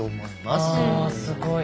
すごい。